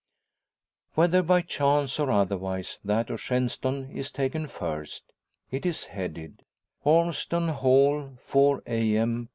Whether by chance or otherwise, that of Shenstone is taken first. It is headed "Ormeston Hall, 4 a.m.